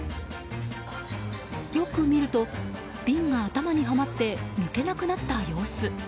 よく見ると、瓶が頭にはまって抜けなくなった様子。